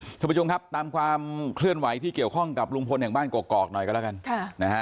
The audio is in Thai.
คุณผู้ชมครับตามความเคลื่อนไหวที่เกี่ยวข้องกับลุงพลแห่งบ้านกอกหน่อยกันแล้วกันนะฮะ